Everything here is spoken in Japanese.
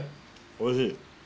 おいしい。